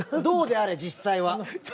どうであれ実際は。